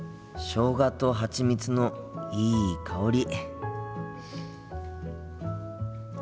しょうがとハチミツのいい香り。